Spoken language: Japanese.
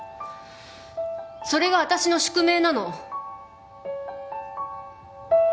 それが私の宿命なの。